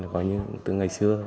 gọi như từ ngày xưa